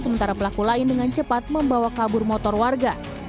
sementara pelaku lain dengan cepat membawa kabur motor warga